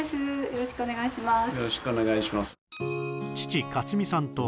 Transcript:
よろしくお願いします